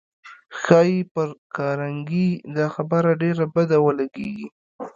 ښایي پر کارنګي دا خبره ډېره بده ولګېږي